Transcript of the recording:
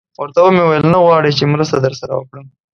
ورته ومې ویل: نه غواړئ چې مرسته در سره وکړم؟